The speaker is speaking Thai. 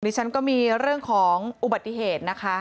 ฉันก็มีเรื่องของอุบัติเหตุนะคะ